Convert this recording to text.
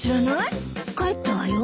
帰ったわよ。